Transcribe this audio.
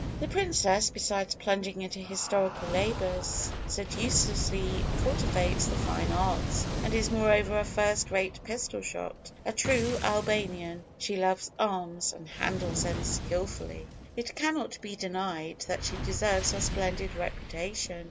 The princess, besides plunging into historical labours, sedulously cultivates the Fine Arts, and is moreover a first rate pistol shot. A true Albanian, she loves arms, and handles them skilfully. It cannot be denied, that she deserves her splendid reputation.